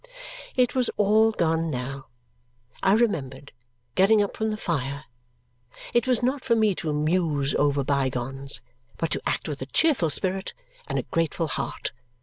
It was all gone now, I remembered, getting up from the fire. It was not for me to muse over bygones, but to act with a cheerful spirit and a grateful heart.